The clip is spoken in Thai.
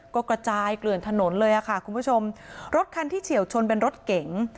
ก็กระจายเกลื่อนถนนเลยค่ะคุณผู้ชมรถคันที่เฉียวชนเป็นรถเก๋ง